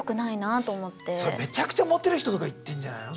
それめちゃくちゃモテる人とかいってんじゃないの？